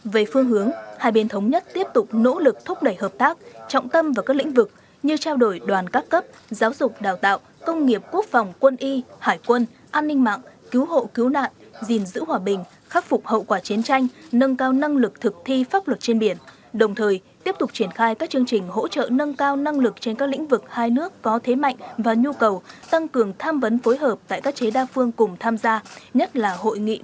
về phương hướng hai bên thống nhất tiếp tục nỗ lực thúc đẩy hợp tác trọng tâm vào các lĩnh vực như trao đổi đoàn các cấp giáo dục đào tạo công nghiệp quốc phòng quân y hải quân an ninh mạng cứu hộ cứu nạn gìn giữ hòa bình khắc phục hậu quả chiến tranh nâng cao năng lực thực thi pháp luật trên biển đồng thời tiếp tục triển khai các chương trình hỗ trợ nâng cao năng lực trên các lĩnh vực hai nước có thế mạnh và nhu cầu tăng cường tham vấn phối hợp tại các chế đa phương cùng tham gia nhất là hội ngh